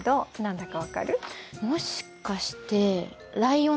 もしかしてライオンですか？